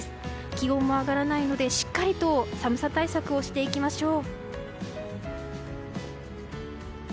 気温も上がらないのでしっかりと寒さ対策をしていきましょう。